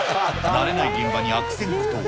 慣れない現場に悪戦苦闘。